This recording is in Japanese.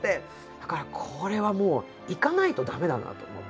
だからこれはもう行かないと駄目だなと思って。